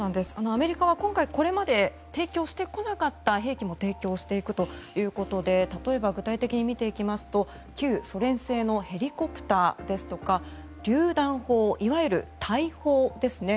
アメリカは今回これまで提供してこなかった兵器も提供していくということで例えば、具体的に見ていきますと旧ソ連製のヘリコプターですとかりゅう弾砲、いわゆる大砲ですね